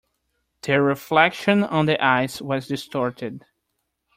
The reflection on the ice was distorted.